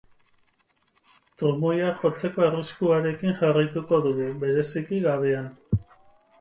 Trumoiak jotzeko arriskuarekin jarraituko dugu, bereziki gabean.